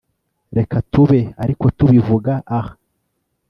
reka tube ariko tubivuga aha